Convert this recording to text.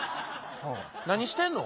何してんの？